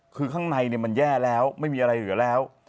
คือข้างในมันแย่แล้วไม่มีอะไรเหลือแล้ว